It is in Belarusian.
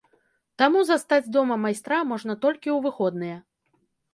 Таму застаць дома майстра можна толькі ў выходныя.